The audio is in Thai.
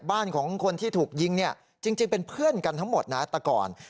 บ้านของคนที่ถูกยิงเนี่ยจริงเป็นเพื่อนกันทั้งหมดนะแต่ก่อน